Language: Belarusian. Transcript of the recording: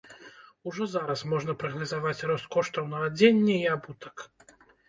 Ужо зараз можна прагназаваць рост коштаў на адзенне і абутак.